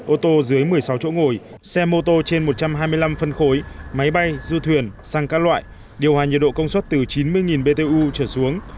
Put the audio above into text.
ô tô dưới một mươi sáu chỗ ngồi xe mô tô trên một trăm hai mươi năm phân khối máy bay du thuyền xăng các loại điều hòa nhiệt độ công suất từ chín mươi btu trở xuống